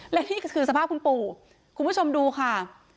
และนี่คือสภาพคุณปู่คุณผู้ชมดูค่ะ